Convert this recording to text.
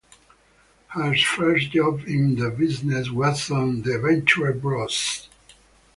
His first job in the business was on "The Venture Bros.".